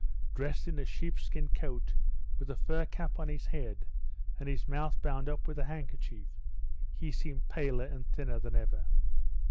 Dressed in a sheepskin coat, with a fur cap on his head and his mouth bound up with a handkerchief, he seemed paler and thinner than ever.